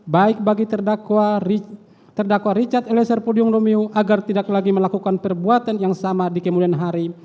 baik bagi terdakwa richard eliezer pudium lumiu agar tidak lagi melakukan perbuatan yang sama di kemudian hari